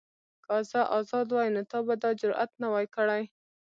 که زه ازاد وای نو تا به دا جرئت نه وای کړی.